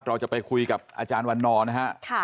เราจะไปคุยกับอาจารย์วันนอร์นะฮะ